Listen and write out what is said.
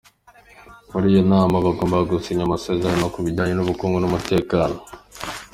Muri iyo nama bagombaga gusinya amasezerano ku bijyanye n’ubukungu n’umutekano.